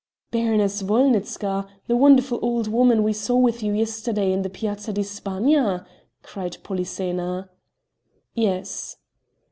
"Baroness Wolnitzka! the wonderful old woman we saw with you yesterday in the Piazza di Spagna?" cried Polyxena. "Yes."